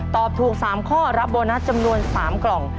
ตอบถูก๓ข้อรับโบนัสจำนวน๓กล่อง